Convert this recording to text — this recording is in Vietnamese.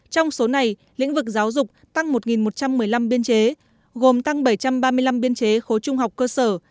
trong số này lĩnh vực giáo dục tăng một một trăm một mươi năm biên chế gồm tăng bảy trăm ba mươi năm biên chế khối trung học cơ sở